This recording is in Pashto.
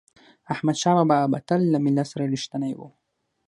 احمدشاه بابا به تل له ملت سره رښتینی و.